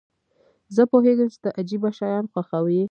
زه پوهیږم چې ته عجیبه شیان خوښوې.